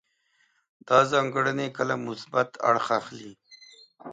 دا ځانګړنې کله مثبت اړخ اخلي.